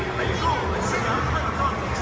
ในโรงพยาบาลไทย